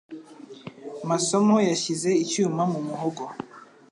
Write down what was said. masomo yashyize icyuma mu muhogo.